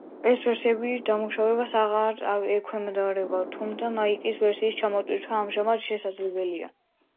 ეს ვერსიები დამუშავებას უკვე აღარ ექვემდებარება, თუმცა მაკის ვერსიის ჩამოტვირთვა ამჟამადაც შესაძლებელია.